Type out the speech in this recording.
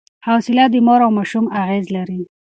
حوصله د مور په ماشوم اغېز لري.